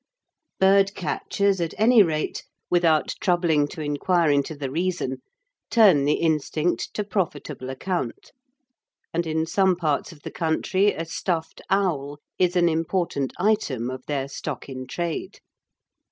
Bird catchers, at any rate, without troubling to inquire into the reason, turn the instinct to profitable account, and in some parts of the country a stuffed owl is an important item of their stock in trade.